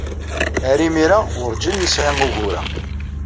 Ar imir-a, werjin nesɛi ugur-a.